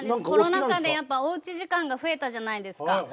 コロナ禍でやっぱおうち時間が増えたじゃないですか。